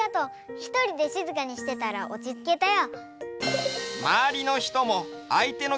ひとりでしずかにしてたらおちつけたよ。